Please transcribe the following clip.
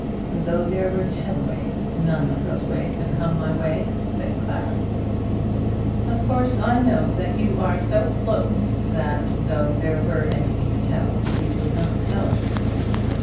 "Though there were ten ways, none of those ways have come my way," said Clara. "Of course I know that you are so close that though there were anything to tell you would not tell it."